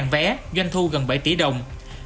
một trăm linh vé doanh thu gần bảy tỷ đồng